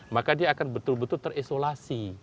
maka dia akan betul betul terisolasi